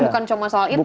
bukan cuma soal itu ya